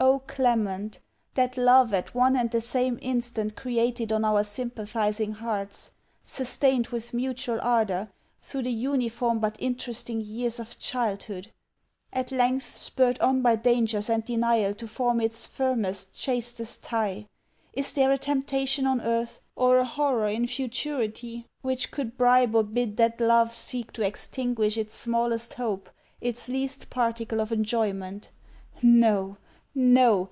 Oh Clement, that love at one and the same instant created on our sympathizing hearts! sustained, with mutual ardor, through the uniform but interesting years of childhood! at length spurred on by dangers and denial to form its firmest, chastest tie! is there a temptation on earth, or a horror in futurity, which could bribe or bid that love seek to extinguish its smallest hope, its least particle of enjoyment? No! No!